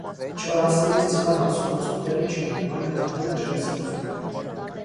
Չորացնելիս ձկան հասունացում տեղի չի ունենում. այն ընդամենը ջրազրկվում է։